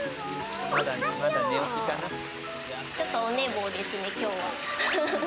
ちょっとお寝坊ですね、きょうは。